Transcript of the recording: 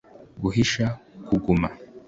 guhisha, kuguma